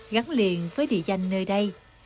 gắn liền với địa danh nơi đây